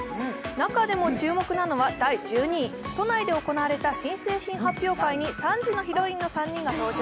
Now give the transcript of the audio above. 中でも注目なのは第１２位、都内で行われた新製品発表会に３時のヒロインの３人が登場。